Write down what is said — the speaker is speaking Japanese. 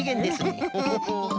ウフフフ。